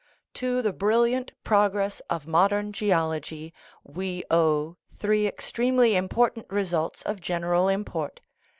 To the brilliant progress of modern geology we owe three extremely important results of general import.